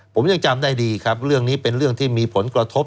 ผมยังจำได้ดีครับเรื่องนี้เป็นเรื่องที่มีผลกระทบ